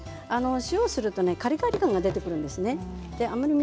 塩をするとパリパリ感が出てくるんですね。